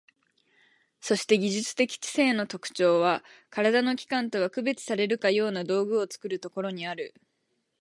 そして技術的知性の特徴は、身体の器官とは区別されるかような道具を作るところにある。